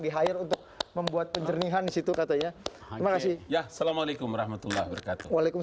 terakhir untuk membuat pencernihan situ katanya makasih ya assalamualaikum warahmatullah walaikum